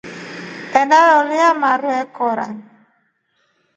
Eneola maru ekora.